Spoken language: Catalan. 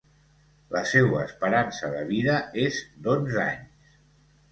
La seua esperança de vida és d'onze anys.